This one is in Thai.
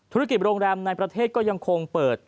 โรงแรมในประเทศก็ยังคงเปิด